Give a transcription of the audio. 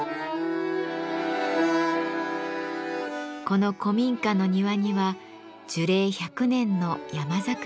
この古民家の庭には樹齢１００年の山桜の木があります。